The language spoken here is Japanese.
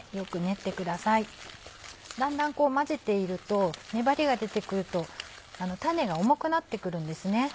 だんだん混ぜていると粘りが出てくるとタネが重くなってくるんですね。